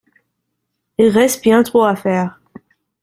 Il reste bien trop à faire.